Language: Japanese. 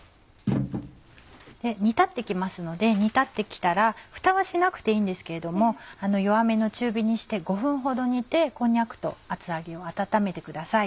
煮立って来ますので煮立って来たらふたはしなくていいんですけれども弱めの中火にして５分ほど煮てこんにゃくと厚揚げを温めてください。